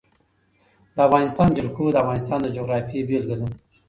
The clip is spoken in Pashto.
د افغانستان جلکو د افغانستان د جغرافیې بېلګه ده.